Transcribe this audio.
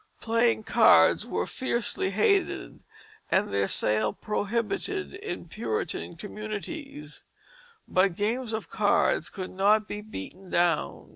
Playing cards were fiercely hated, and their sale prohibited in Puritan communities, but games of cards could not be "beaten down."